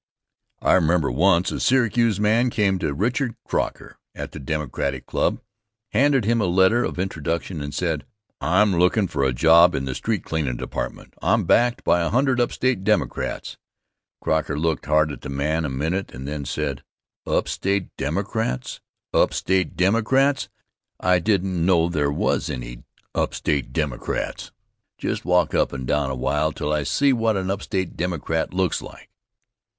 I remember once a Syracuse man came to Richard Croker at the Democratic Club, handed him a letter of introduction and said: "I'm lookin' for a job in the Street Cleanin' Department; I'm backed by a hundred upstate Democrats." Croker looked hard at the man a minute and then said: "Upstate Democrats! Upstate Democrats! I didn't know there was any upstate Democrats. Just walk up and down a while till I see what an upstate Democrat looks like."